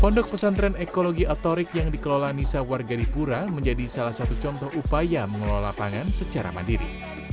pondok pesantren ekologi atorik yang dikelola nisa warga dipura menjadi salah satu contoh upaya mengelola pangan secara mandiri